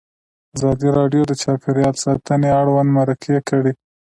ازادي راډیو د چاپیریال ساتنه اړوند مرکې کړي.